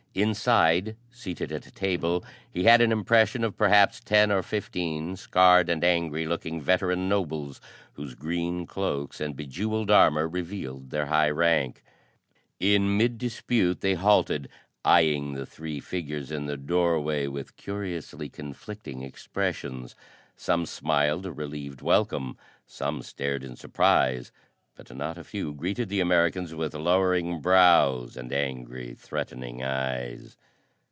Inside, seated at a table, he had an impression of perhaps ten or fifteen scarred and angry looking veteran nobles whose green cloaks and bejeweled armor revealed their high rank. In mid dispute they halted, eyeing the three figures in the doorway with curiously conflicting expressions. Some smiled a relieved welcome, some stared in surprise, but not a few greeted the Americans with lowering brows and angry, threatening eyes.